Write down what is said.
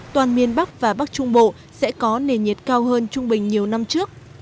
toàn miền bắc và bắc trung bộ sẽ có nền nhiệt cao hơn trung bình nhiều năm trước